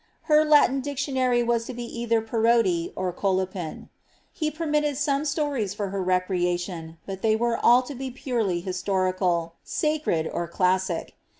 Her Latin dictionary was to be either Perotti or Colepin. He permitted some stories for her recreadoo. but they were all to be purely historical, sacred, or classic.